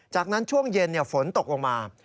จากนั้นช่วงเย็นฝนตกลงมา